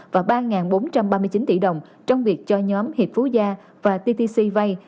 và ba bốn trăm ba mươi chín tỷ đồng trong việc cho nhóm hiệp phú gia và ttc vay